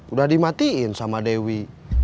udah dimatiin sama dewi